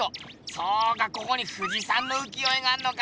そうかここに富士山の浮世絵があんのか。